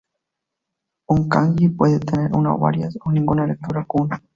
Un kanji puede tener una, varias o ninguna lectura "kun".